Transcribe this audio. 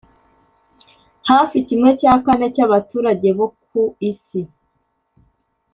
hafi kimwe cya kane cy’abaturage bo ku isi.